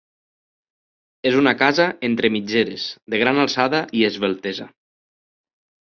És una casa entre mitgeres, de gran alçada i esveltesa.